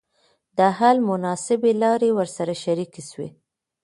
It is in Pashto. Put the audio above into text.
د حل مناسبي لاري ورسره شریکي سوې.